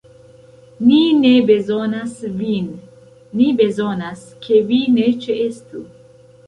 Ni ne bezonas vin; ni bezonas, ke vi ne ĉeestu.